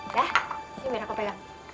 dah sini aku pegang